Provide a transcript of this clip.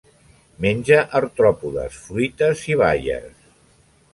Menja artròpodes, fruites i baies.